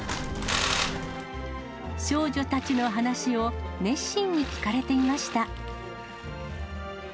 少女たちの話を、熱心に聞かれていました。